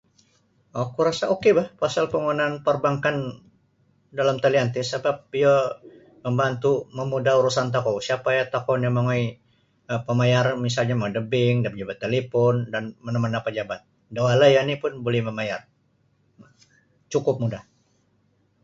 Oku rasa' ok boh pasal panggunaan parbankan dalam talian ti sabap iyo mambantu mamudah urusan tokou isa payah tokou nio mongoi pamayar misalnyo mongoi da bank da pajabat talipon dan mana-mana' pajabat da walai oni' pun buli mamayar cukup mudah.